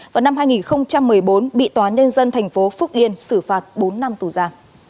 vào năm hai nghìn một mươi bốn bị tòa nhân dân tp phúc yên xử phạt bốn năm tù giả